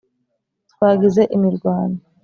twagize imirwano,